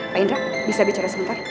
pak indra bisa bicara sebentar